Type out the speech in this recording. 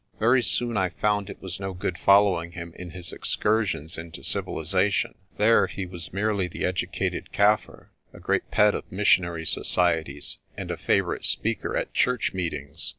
"Very soon I found it was no good following him in his excursions into civilisation. There he was merely the edu cated Kaffir; a great pet of missionary societies and a favour ite speaker at Church meetings.